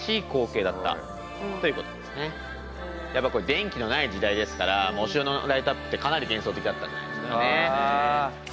電気のない時代ですからお城のライトアップってかなり幻想的だったんじゃないんですかね。